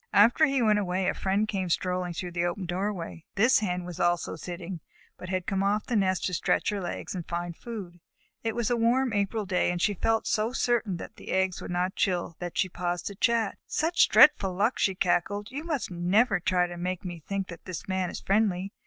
After he went away, a friend came strolling through the open doorway. This Hen was also sitting, but had come off the nest to stretch her legs and find food. It was a warm April day, and she felt so certain that the eggs would not chill, that she paused to chat. "Such dreadful luck!" she cackled. "You must never try to make me think that this Man is friendly.